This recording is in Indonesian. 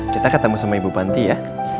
kita ketemu sama ibu panti ya